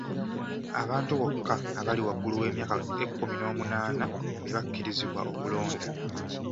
Abantu bokka abali waggulu w'emyaka ekkumi n'omunaana be bakkirizibwa okulonda.